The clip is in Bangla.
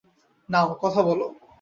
নাও, কথা বলো।